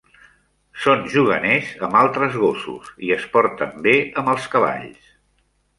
Són juganers amb altres gossos i es porten bé amb els cavalls.